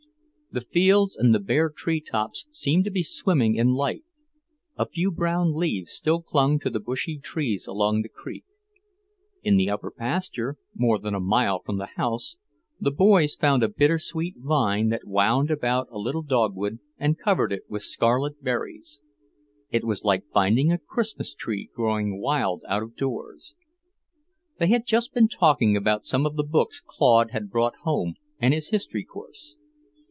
The fields and the bare tree tops seemed to be swimming in light. A few brown leaves still clung to the bushy trees along the creek. In the upper pasture, more than a mile from the house, the boys found a bittersweet vine that wound about a little dogwood and covered it with scarlet berries. It was like finding a Christmas tree growing wild out of doors. They had just been talking about some of the books Claude had brought home, and his history course.